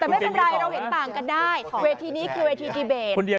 แต่ไม่เป็นไรเราเห็นต่างกันได้เวทีนี้คือเวทีดีเบต